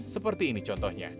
seperti ini contohnya